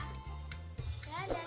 kasih lagi ya